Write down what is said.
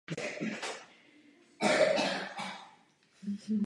První knihy byly většinou dary od občanů města.